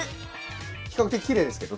比較的きれいですけど。